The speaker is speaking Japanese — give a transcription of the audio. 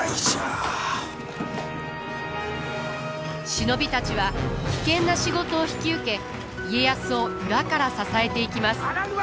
忍びたちは危険な仕事を引き受け家康を裏から支えていきます。